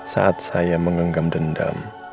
saat saya menganggam dendam